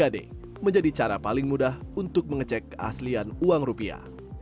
tiga d menjadi cara paling mudah untuk mengecek keaslian uang rupiah